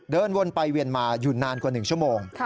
เดินวนไปเวียนมาอยู่นานกว่า๑ชั่วโมง